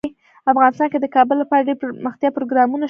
افغانستان کې د کابل لپاره ډیر دپرمختیا پروګرامونه شته دي.